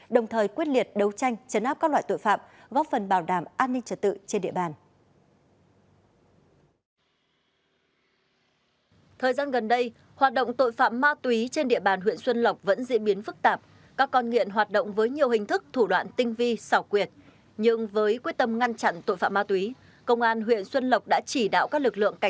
đồng thời quyết liệt đấu tranh chấn áp các loại tội phạm góp phần bảo đảm an ninh trật tự trên địa bàn